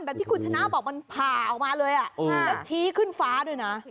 ที่คุณชนะบอกมันผ่าออกมาเลยแล้วชี้ขึ้นฟ้าด้วยนะ